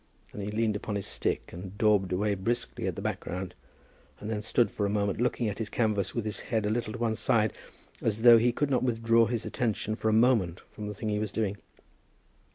And he leaned upon his stick, and daubed away briskly at the background, and then stood for a moment looking at his canvas with his head a little on one side, as though he could not withdraw his attention for a moment from the thing he was doing.